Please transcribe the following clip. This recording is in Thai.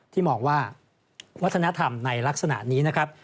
ที่มองว่าวัฒนธรรมในลักษณะนี้นะครับ